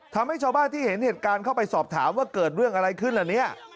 ทำให้ชาวบ้านที่เห็นเหตุการณ์เข้าไปสอบถามว่าเกิดเรื่องอะไรขึ้นล่ะเนี่ย